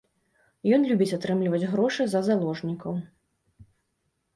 Ён любіць атрымліваць грошы за заложнікаў.